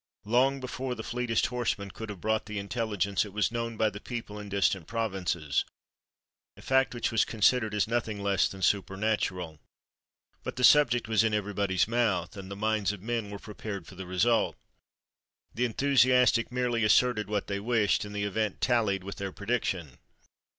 Long before the fleetest horseman could have brought the intelligence, it was known by the people in distant provinces; a fact which was considered as nothing less than supernatural. But the subject was in every body's mouth, and the minds of men were prepared for the result. The enthusiastic merely asserted what they wished, and the event tallied with their prediction.